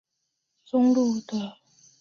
中路的主要建筑分前后两组。